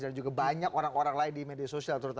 dan juga banyak orang orang lain di media sosial